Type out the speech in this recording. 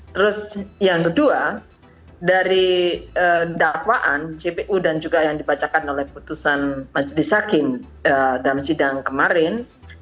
terus yang kedua dari dakwaan cpu dan juga yang dibacakan oleh putusan majelis hakim dalam sidang kemarin